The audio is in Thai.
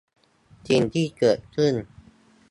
สิ่งเกิดขึ้น